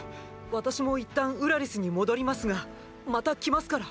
私も一旦ウラリスに戻りますがまた来ますから。